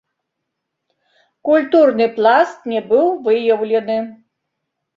Культурны пласт не быў выяўлены.